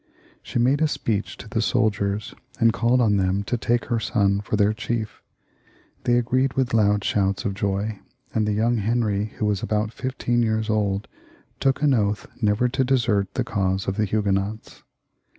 She made a speech to the soldiers, and called on them to take her son for their chiet They agreed with loud shouts of joy, and the young Henry, who was then about fifteen years old, took an oath never to desert the cause of the Huguenots.